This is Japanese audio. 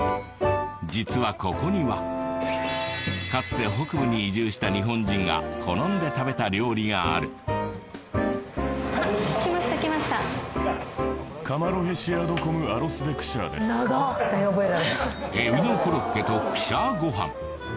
実はここにはかつて北部に移住した日本人が好んで食べた料理がある長っ絶対覚えられへんエビのコロッケとクシャーごはん